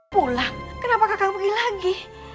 pulang kenapa kakak pergi lagi